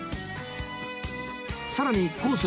さらにコース